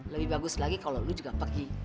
lebih bagus lagi kalau lu juga pergi